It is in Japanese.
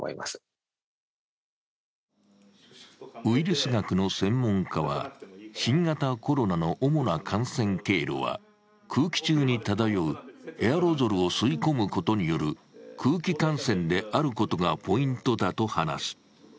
ウイルス学の専門家は、新型コロナの主な感染経路は空気中に漂うエアロゾルを吸い込むことによる空気感染であることがポイントだと話す。